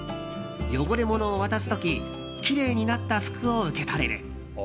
汚れ物を渡す時きれいになった服を受け取れる。